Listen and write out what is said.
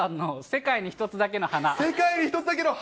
世界に一つだけの花。